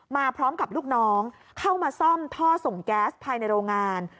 มาพร้อมกับลูกน้องเข้ามาซ่อมท่อส่งแก๊สภายในโรงงาน